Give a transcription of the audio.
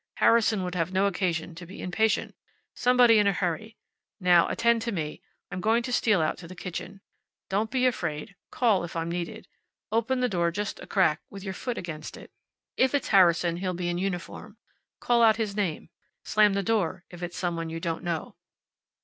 Harrison would have no occasion to be impatient. Somebody in a hurry. Now, attend to me. I'm going to steal out to the kitchen. Don't be afraid. Call if I'm needed. Open the door just a crack, with your foot against it. If it's Harrison he'll be in uniform. Call out his name. Slam the door if it is someone you don't know."